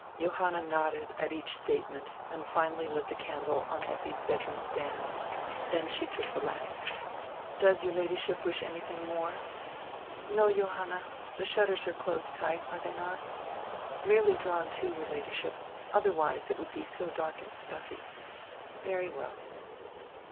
Johanna nodded at each statement and finally lit the candle on Effi's bedroonr stand. Then she took tire lamp. "Does your Ladyship wish anything more?" "No, Johanna. The shutters are closed tight, are they not?" "Merely drawn to, your Ladyship. Otherwise it would be so dark and stuffy." "Very well."